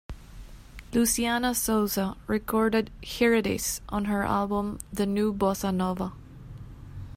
Luciana Souza recorded "Here It Is" on her album "The New Bossa Nova.